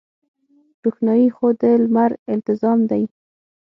روښنايي خو د لمر التزام دی.